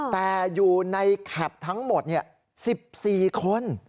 แต่อยู่ในแคปทั้งหมด๑๔คน